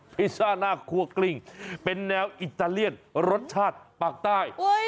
พิซซ่าหน้าครัวกลิ้งเป็นแนวอิตาเลียนรสชาติปากใต้